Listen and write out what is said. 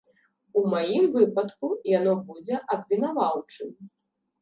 У маім выпадку яно будзе абвінаваўчым.